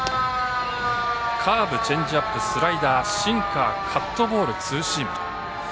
カーブ、チェンジアップスライダー、シンカーカットボール、ツーシーム。